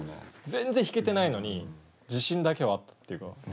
全然弾けてないのに自信だけはあったっていうか。